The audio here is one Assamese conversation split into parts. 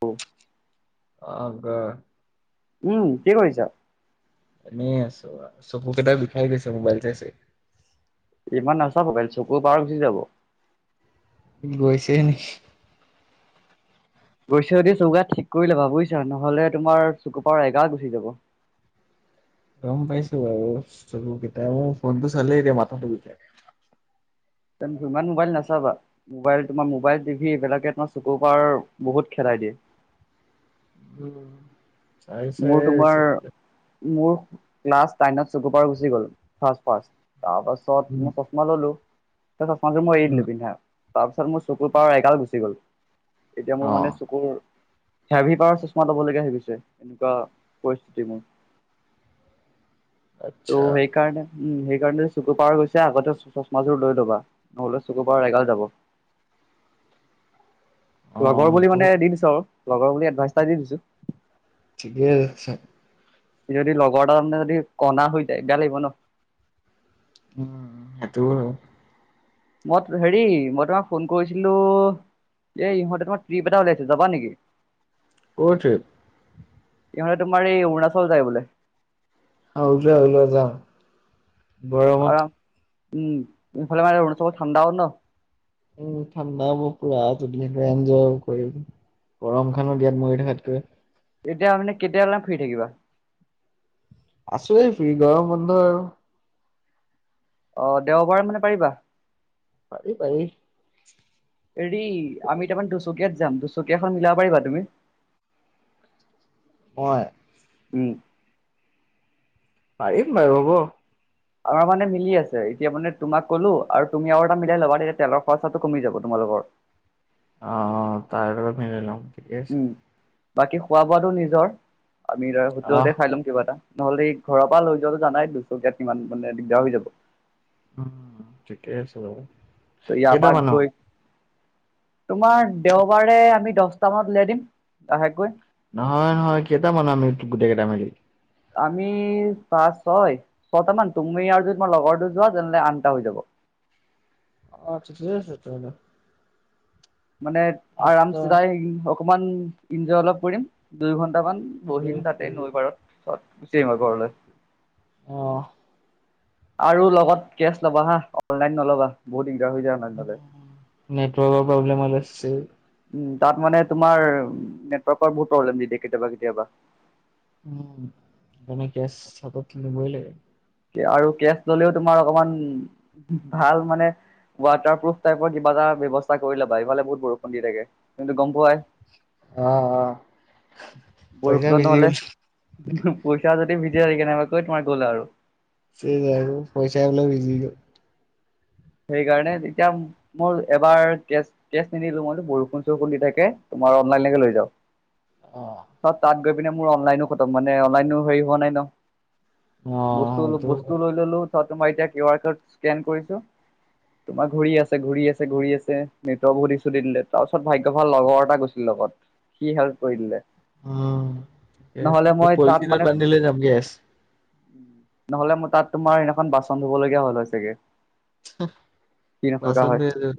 অ। অ ক উম, কি কৰিছা? এনে আছো চকু কেইটা বিখাই গৈছে মোবাইল চাই চাই ইমান নাচাব মোবাইল চকুৰ পাৱাৰ গুচি যাব। গৈছে নেকি। গৈছদি চৌকাত ঠিক কৰি লবা বুজিছা নহ'লে তোমাৰ চকু পাৰ এগাৰ গুচি যাব। গম পাইছো বাৰু চকু কেইটা মোৰ ফোনটো চালেই এতিয়া মাথাটো বিষায় তেন হিমান মোবাইল নাচাবা। মোবাইল তোমাৰ মোবাইল, টিভি, এইবিলাকে তোৰ চকুৰ পাওৱাৰ বহুত হেৰাই দিয়ে। উম। চাই চাই মোৰ তোমাৰ হৈছে মোৰ ক্লাছ নাইনত চুকুৰ পাওৱাৰ গুচি গ'ল, ফাৰ্ষ্ট- ফাৰ্ষ্ট। তাৰ উম পাছত মই ল'লো। তাৰপিচত মই এৰি উম দিলো পিন্ধা। তাৰ পিছত মোৰ চকুৰ পওৱাৰ এগাল গুচি গ'ল। এতিয়া মোৰ অ' মানে চকুৰ হেভি পাওৱাৰৰ চশমা ল'বলগীয়া হৈ গৈছে। এনেকুৱা পৰিস্থিতি মোৰ। ত' আচ্ছা সেই কাৰণে উম, সেইকাৰণে যে চুকু পাওৱাৰ গৈছে। আগতে চশমাযোৰ লৈ লবা, নহ'লে চুকু পাওৱাৰ এগাল যাব। অ' লগৰ বুলি সেইটো মানে দি দিছো আৰু। লগৰ বুলি এডভাইচ এটা দি দিছো। ঠিকে আছে যদি লগৰ তাৰমানে যদি কনা হৈ যায় যায়, বেয়া লাগিব ন। উম, সেইটো হয়। মই হেৰি, মই তোমাক ফোন কৰিছিলোঁ এই ইহঁতে তোৰ ট্ৰিপ এটা ওলাইছে যাবা নেকি? কৰ ট্ৰিপ? ইঁহতে তোমাৰ এই অৰুণাচল যায় বোলে। আমি দুটাই একেলগত যাওঁ। আৰু উম, ইফালে মানে অৰুণাচল ঠাণ্ডাও ন। উম, ঠাণ্ডা বহুত এনজয় কৰিম। গৰম খনত ইয়াত মৰি থাকাতকৈ। এতিয়া মানে কেতিয়ালে ফ্ৰী থাকিবা? আছোঁই ফ্ৰী, গৰম বন্ধ আৰু। অ, দেওবাৰ মানে পাৰিবা? পাৰি- পাৰি। হেৰি, আমি তাৰমানে দুচকীয়াত যাম, দুচকীয়াখন মিলাব পাৰিবা তুমি? হয়। উম। পাৰিম বাৰু হ'ব। আমাৰ আছে এতিয়া মানে তোমাক ক'লো, আৰু তুমি আৰু এটা মিলাই ল'বা তেতিয়া তেলৰ খৰচাটো কমি যাব তোমালোকৰ। অ- অ‌, তাৰ লগত মিলাই লম। ঠিকে আছে উম, বাকী খোৱা বোৱাটো নিজৰ, আমি অহ, হোটেলত খাই লম কিবা এটা। নহ'লে সেই ঘৰৰ পৰা লৈ যোৱাটো জানাই, দুচকীয়াত কিমান মানে দিগদাৰ হৈ যাব। উম, ঠিকে আছে নহলে। ইয়াৰ পৰা গৈ তোমাৰ দেওবাৰে আমি দহটামানত উলিয়াই দিম লাহেকৈ। নহয়- নহয়, কেইটা মানু্হ আমি গোটেই কেইটা মিলি? আমি পাঁচ, ছয়, ছটা মান, তুমি আৰু যদি তোমাৰ লগৰটো যোৱা তেনেহ'লে আঠটা হৈ যাব। অ, ঠিক আছে, তেতিয়াহ'লে। মানে আৰাম আঠটা যাই, অকমান এনজয় অলপ কৰিম, দুই ঘন্টামান। দুই বহিম তাতে কৰি নৈ পাৰত, তাৰপিছত গুচি আহিম মই ঘৰলৈ। অঁ। আৰু লগত কেছ ল'বা হা। অনলাইন নল'বা বহুত দিগদাৰ হৈ যায় নহলে। ‌নেটৱকৰ প্ৰব্লেম আছে। উম, তাত মানে তোমাৰ নেটৱৰ্কৰ বহুত প্ৰব্লেম দি দিয়ে কেতিয়াবা- কেতিয়াবা। উম, মানে কেছ হাতত থাকিবই লাগে। আৰু কেছ ললেও তোমাৰ অকমান ভাল মানে ৱাটাৰ প্ৰুফ টাইপৰ কিবা এটা ব্যৱস্থা কৰি ল'বা, ইফালে বহুত বৰষুণ দি থাকে তুমিতো গম পোৱাই। অ' অ'। পইচা বৰষুণত ভিজি নহলে গ'ল পইচা যদি ভিজে কেনেবাকৈ তোমাৰ গ'ল আৰু। [unintelligible] আৰু পইচা বোল ভিজি গ'ল। সেইকাৰণে তেতিয়া মোৰ এবাৰ কেছ কেছ নিনিলো মই বোলো বৰষুণ চৰষুণ দি থাকে, তোমাৰ অনলাইনকে লৈ যাও। অ'। তাত, তাত গৈ পিনে মোৰ অনলাইনো খটম মানে অনলাইনো হেৰি হোৱা নাই ন। অ', বস্তু সেইটো বস্তু হয়। লৈ ললো, তোমাৰ এতিয়া কিউ আৰ ক'ড স্কেন কৰিছো। তোমাৰ ঘূৰি আছে ঘূৰি আছে ঘূৰি আছে নেটৱকৰ বহুত ইছু দি দিলে তাৰপাছত ভাগ্য ভাল লগৰ এটা গৈছিল লগত। সি হেল্প কৰি দিলে। নহ'লে অ' মই তাত পলিথিনত মানে বান্ধি দিলে যাম কেছ। নহ'লে মই তাত তোমাৰ এদিনাখন বাচন ধুবলগীয়া হ'ল হৈ চাগে। সি নথকা বাচন হয় ধুই আহিলোঁ।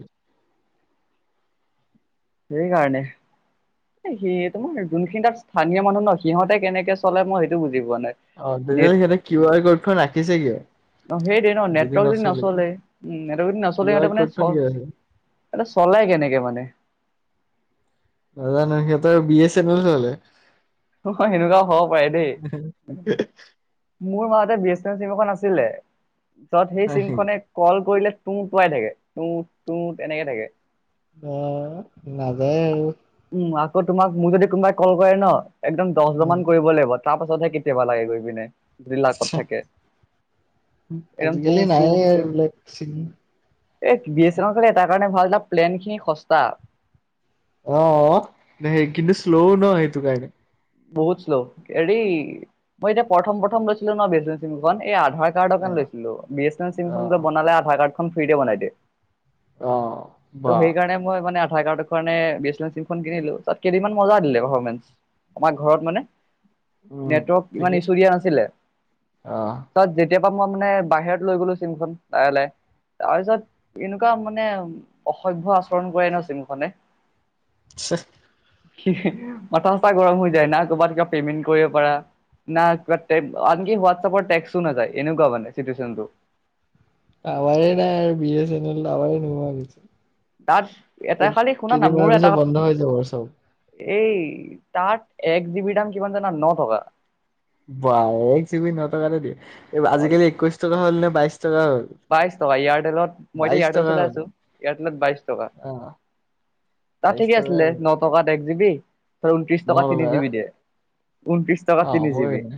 সেই কাৰণে। সেই তোমাৰ যোনখিনি তাত স্থানীয় মানুহ ন সিহতে কেনেকে চলে মই সেইটো বুজি পোৱা নাই। অ' নেট তেতিয়াহলে সিহঁতে কিউ আৰ ক'ডখন ৰাখিছে কিয়? অ' সেইটোৱে ন নেটৱৰ্ক যদি নচলে উম নেটৱৰ্ক যদি কিউ নচলে আৰ সিহঁতে মানে ক'ডখন চল কিয় আছে? মানে চলাই কেনেকে মানে? নাজানো, সিহঁতৰ বি এ চেনেল চলে। অ' হয়, সেনেকুৱাও হব পাৰে দেই। মোৰ মাজতে বি এ চেনেল চিম এখন আছিলে। য'ত সেই হয় নেকি? চিমখনে কল কৰিলে তুটোৱাই থাকে, তুত তুত এনেকে থাকে। অঁ নাযায় আৰু। উম, আকৌ তোমাক মোক যদি কোনোবাই কল কৰে ন! একদম দহ বাৰ উম মান কৰিব লাগিব। তাৰ পাছতহে কেতিয়াবা লাগে গৈ পিনে যদি লাকত থাকে। একদম তু আজিকালি তু নায়ে আৰু তুট। এইবিলাক চিন এ বি এচ চেনেল চাগে এটাৰ কাৰণে ভাল এটা প্লেন খিনি হস্তা। অ' অ' সেই কিন্তু শ্ল' ন সেইটো কাৰণে। বহুত শ্ল' হেৰি মই এতিয়া প্ৰথম প্ৰথম লৈছিলো ন, বি এছ চেনেল চিম খন এই আধাৰ কাৰ্ডৰ কাৰণে লৈছিলো, বি এছ চেনেল চিম অ খনটো বনালে আধাৰ কাৰ্ড খন ফ্ৰীতে বনাই দিয়ে। অ ত' বা সেই কাৰণে মই মানে আধাৰ কাৰ্ডৰ কাৰণে বি এছ চেনেল চিম খন কিনিলো। তাত কেইদিনমন মজা দিলে পাৰফমেঞ্চ আমাৰ ঘৰত মানে। উম নেটৱৰ্ক ইমান ঠিকেই ইছো দিয়া নাছিলে। অ তাত যেতিয়া পৰা মই মানে বাহিৰত লৈ গলো চিমনখন [unintelligible] তাৰ পিছত এনেকুৱা মানে অসভ্য আচৰণ কৰে ন চিমখনে। [unintelligible] মাথা-সাথা গৰম হৈ যায় না, ক'ৰবাত কিবা পেমেন্ট কৰিব পাৰা। না [unintelligible] আনকি হোৱাটছএপ টেক্সটও নাযায়, এনেকুৱা চিটুৱেচনটো। টাৱাৰে নাই আৰু বি এছ চেনেল [unintelligible] তাত এটা খালি শুনা না, মোৰো কেইদিনমানৰ এটা পিছত কথ বন্ধ হৈ যাব চব। এই তাত এক জি বি দাম কিমান জানা? ন টকা। বা এক জি বি ন টকাতে দিয়ে, এই আজিকালি একৈশ টকা হ'ল নে বাইশ টকা হ'ল। বাইশ টকা এয়াৰটেলত, মইতো বাইশ এয়াৰটেল টকা চলাই হ'ল আছো এয়াৰটেলত বাইশ টকা। অ তাত বাইশ ঠিকে টকা আছিলে, হ'ল। ন টকাত এক জিব ধ ঊনত্ৰিশ টকা তিনি জিব দে ঊনত্ৰিশ অ বাতি নি যিবি। বঢ়িয়া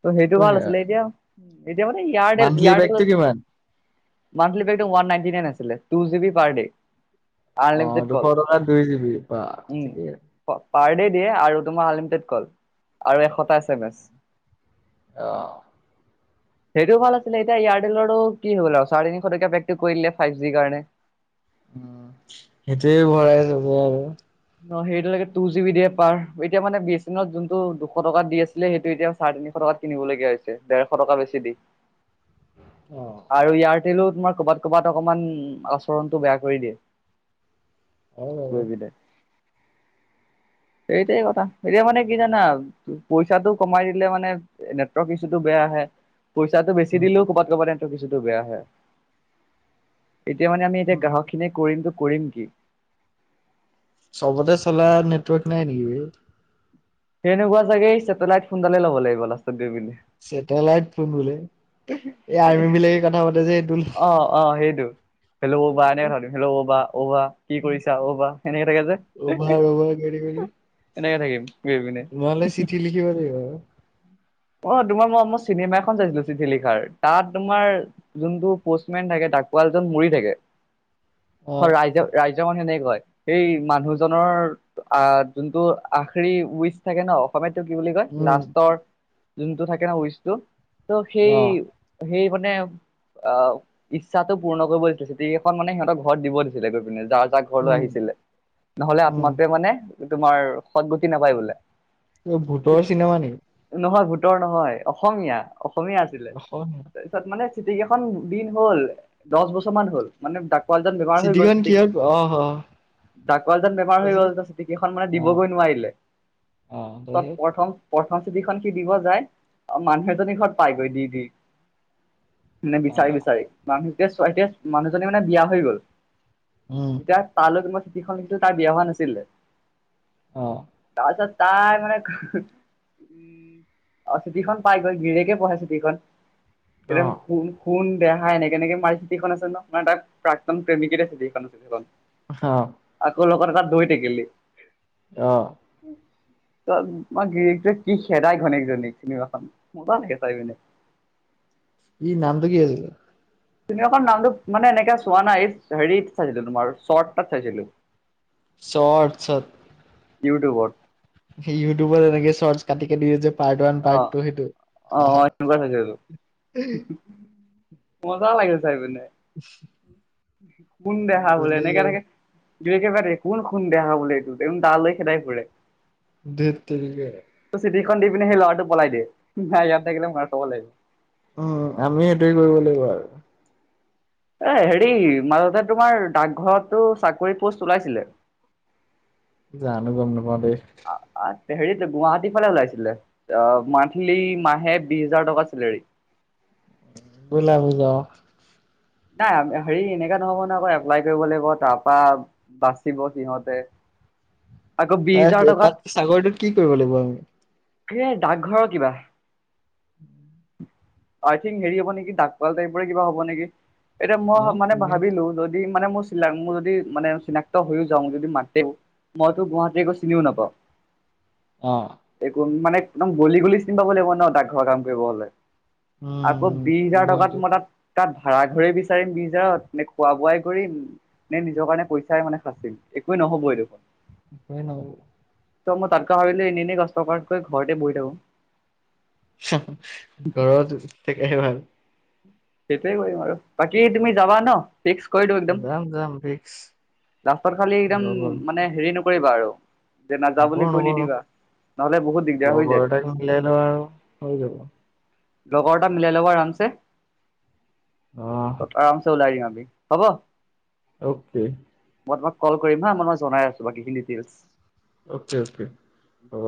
ত, সেইটো ভাল বঢ়িয়া আছিলে এতিয়া এতিয়া মানে ইয়াৰ্ডে মান্থলি ইয়াৰ্ড পেকটো কিমান মানলৱ ন নন আছিলে জি পাৰ ডে। অ, আনলিমিটেড দুশ কল টকাৰ দুই জিবি বা উম ঠিকেই। পাৰ ড দিয়ে, আৰু তোমাৰ আনলিমিটেড কল আৰু এশটা এ এম এছ। অ। সেইটোও ভাল আছিলে। এতিয়া এয়াৰটেলৰো কি হ'ল আৰু চাৰে তিনিশ টকীয়া পেকটো কৰি দলেে ফাইভ জি কাৰণে। উ, সেইটোয়ে ভৰাই চব আৰু ন সেইটোেটু জি বি দিয়ে পাৰ এতিয়া মানে বি এছ এনত যোনটো দুশ টকা দি আছিলে, সেইটো এতিয়া চাৰে তিনিশ টকাত। কিনিবলগীয়া হৈছে, ডেৰশ টকা বেছি দি। অ। আৰু এয়াৰটেলো তোমাৰ অকমান আচৰণতটো বেয়া কৰি দিয়ে। অ। গৈ বি দোয় এইেইটাই কথা। এতিয়া মানে কি জানা পইচাটো কমাই দিলে মানে নেটৱৰ্ক কিছুতো বেয়া আহে। পইচাটো বেছি উম দিলেও ক'ৰবাত ক'ৰবাতো কিছুটো বেয়া হে এতিয়া মানে আমি এতিয়া উম গ্ৰাহক খিনিয়ে কৰিমতো কৰিম কি চবতে চলা নেটৱৰ্ক নাই নেকি সেনেকুৱা চাগে ছেটেলাইট ফোনডাল লব লাগিব লাষ্টউ বুলি ছেটেলাইট ফোন বোলে এই এ আৰ্মি বিলাকে কথা পাতে যে সেইটো অ অ সেইটো হেল্ল'বা এনেকে কথা দিম হেল্ল' অ'বা অ'বা কি কৰিছা অ বা সেনেকে থাকে যে অভাৰ অভাৰ এনেকে থাকিম গৈ পিনে নোহোলে চিঠি লিখিব লাগিব অ তোমাৰ মই মৰ চিনেমা এখন চাইছিলো চিঠি লিখাৰ তাত তোমাৰ যোনটো পষ্টমেন থাকে থাকুৱাল জন মৰি থাকে উ ৰাইজৰ ৰাইজৰ মানুহ এনেক কয় সেই মানুহজনৰ আহ যোনটো আখৰি উচ থাকে ন অসমীয়াটো কি বুলি কয় উম লাষ্টৰ যোনটো থাকে ন উইচটো ত' সেই অ সেই মানে অ ইচ্ছাতো পূৰ্ণ কৰিব দিছিলে চিটিখন মানে সিহঁতৰ ঘৰত দিব দিছিলে গৈ পিনে যাৰ যাক ঘৰলৈ উম আহিছিলে নহলে উম আত্মাটোৱে মানে তোমাৰ সদগতি নাপায় বোলে ভূতৰ চিনেমা নেকি নহয় ভোতৰ নহয় অসমীয়া অসমীয়া আছিলে িিন হল দহ বছৰ হল ম [unintelligible] কলজন বেমাৰ হৈ চিটিখন গ'লছে দি কিহত অ হ ডাকাল যন বেমাৰ হৈ তাৰপিছত গ'ল ত চিটি কেইখন মানে অ দিবগৈ নোৱাৰিলে অ তত হেয়ে প্ৰথম প্ৰথম চিতিখন কি দিব যায় মানুহ এজনী ঘৰত পাইগৈ দি দি মানে অ বিচাৰি বিচাৰি মানুহতে ছতে মানুহজনী মানে বিয়া হৈ গল উম তেতিয়া তালৈ কোনোবা চুঠিখন কিন্তু তাই বিয়া হোৱা নাছিলে অ তাৰপিছত তাই মানে উম অ', চিঠিখন পাই গৈ গিৰীয়েকে পঢ়ে চিঠিখন অ একদম খু খুন দেহা এনেকে এনেকে মাৰি চিঠিখন আছে ন, মানে তাত প্ৰাক্তন প্ৰেমিকীৰ চিখন আছে সেইখন। হ। আকৌ লগত এটা দৈ টেকেলি। অ'। ত মই গিৰিয়েকটোৱে কি খেদাই ঘৈইনিয়েকজনীক। চিনেমা খন মজা লাগে চাই পিনে। ই নামটো কি আছিলে? চিনেমাখন নামটো মানে এনেকে চোৱা নাই, হেৰি চাইছিলো তোমাৰ শৰ্ট এতাত চাইছিলো। শৰ্টচত। ইউটিউবৰ। ইউটিউবত এনেকে চৰ্তচ কাটি কাটি দিয়ে যে। পাৰ্ট ওৱান অ পাৰ্ট টু সেইটো। অ সেনেকুৱা চাইছিলো মজা লাগে চাই পিনে। [inaudible] কোন দেহা বোলে এনেকে বেলেগে এনেকে দুই একেবাৰে কোন খুন্দ দেখা বুলি, ত দালৈ খেদাই ফুৰে। ধেট তেৰিকা। ত চিঠিখন দি পিনে সেই ল'ৰাটো পলাই দিয়ে, নাই ইয়াত থাকিলে মাৰ খাব লাগিব। উম, আমি এইটোৱে কৰিব লাগিব আৰু। এ হেৰি মাজতে তোমাৰ ডাকঘৰতটো চাকৰি পোষ্ট ওলাইছিলে। জানো গম নাপাওঁ দেই। হেৰিত, গুৱাহাটীৰ ফালে ওলাইছিলে। অ', মান্থলি মাহে বিশ হাজাৰ টকা চেলেৰী। [unintelligible] নাই, হেৰি এনেকা নহব ন, আকৌ এপ্লাই কৰিব লাগিব তাৰ পৰা বাচিব সিহঁতে। আকৌ বিশ তাৰ হাজাৰ টকাত তাত চাকৰিটোত কি কৰিব লাগিব আমি? এ, ডাকঘৰৰ কিবা। আই থিংক, হেৰি হব নেকি, ডাকঘৰ টাইপৰে কিবা হব নেকি, এতিয়া মই মানে আমি? ভাবিলো, যদি মানে মোৰ মোৰ যদি মানে, চিনাক্ত হৈও যাওঁ, যদি মাতে মইতো গুৱাহাটী গৈ চিনিও নাপাওঁ। অ'। এক মানে, একদম গলি গলি চিনি পাব লাগিব ন, ডাকঘৰৰ কাম কৰিব হলে। আকৌ উম, বিশ হাজাৰ টকাত গুৱাহাটীত মই তাত তাত ভাড়াঘৰে বিচাৰিম বিশ হাজাৰত নে খোৱা বোৱাই কৰিম? নে নিজৰ কাৰণে পইচাই মানে সাচিম, একোৱে নহব এই দেখোন। হয় ন। ত' মই তাতকৈ ভাবিলোঁ, এনেই এনেই কষ্ট কৰাতকৈ ঘৰতে বহি থাকোঁ। ঘৰত ঠিকে, ভাল। সেইটোৱে কৰিম আৰু বাকী তুমি যাবা ন? ফিক্স কৰি দিও একদম, যাম যাম ফিক্স। লাষ্টত খালি একদম লগৰ মানে হেৰি ন কৰিবা আৰু যে নাযাও নকৰো বুলি কৈ নকৰো নিদিবা, নহলে বহুত দিগদাৰ হৈ যায়। লগৰ [unintelligible] লগৰ এটা মিলাই ল'ব আৰামছে। অ'। আৰামছে ওলাই দিম আমি, হ'ব। অকে। মই তোমাক কল কৰিম হা, মই জনাই আছোঁ বাকীখিনি ডিতেইলচ। অকে অকে হব।